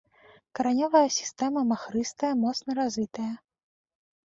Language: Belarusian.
Каранёвая сістэма махрыстая, моцна развітая.